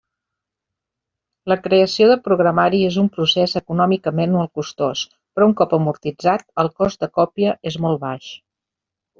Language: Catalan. La creació de programari és un procés econòmicament molt costós però, un cop amortitzat, el cost de còpia és molt baix.